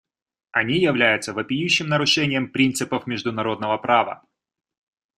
Они являются вопиющим нарушением принципов международного права.